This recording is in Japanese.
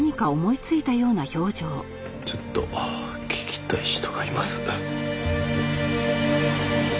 ちょっと聞きたい人がいます。